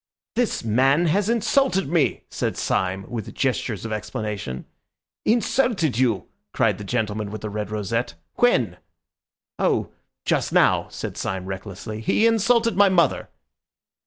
"This man has insulted me!" said Syme, with gestures of explanation. "Insulted you?" cried the gentleman with the red rosette, "when?" "Oh, just now," said Syme recklessly. "He insulted my mother."